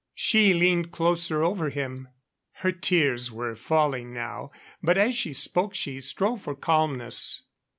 She leaned closer over him. Her tears were falling now, but as she spoke she strove for calmness.